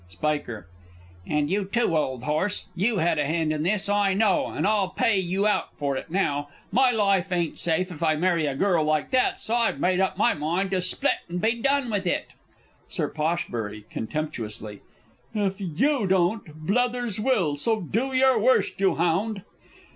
Spiker. And you too, old horse! You had a hand in this, I know, and I'll pay you out for it now. My life ain't safe if I marry a girl like that, so I've made up my mind to split and be done with it! Sir P. (contemptuously). If you don't, Blethers will. So do your worst, you hound!